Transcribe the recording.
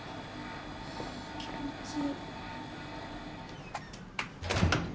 気持ちいい。